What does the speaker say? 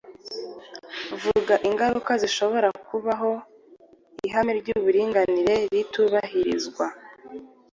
Vuga ingaruka zishobora kuvuka aho ihame ry’uburinganire ritubahirizwa?